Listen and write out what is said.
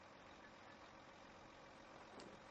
Estas reuniones suelen tardar toda la tarde o toda la noches.